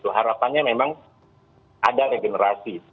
harapannya memang ada regenerasi